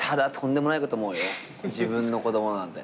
自分の子供なんて。